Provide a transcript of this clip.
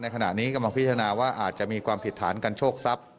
ขณะนี้กำลังพิจารณาว่าอาจจะมีความผิดฐานกันโชคทรัพย์